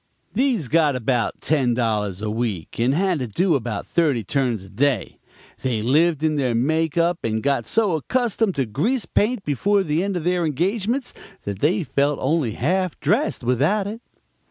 These got about ten dollars a week and had to do about thirty turns a day; they lived in their make up and got so accustomed to grease paint before the end of their engagements that they felt only half dressed without it.